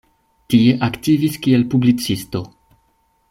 Tie aktivis kiel publicisto.